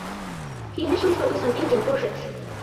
He initially focused on painting portraits.